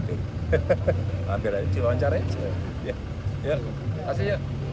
ambil aja silahkan cari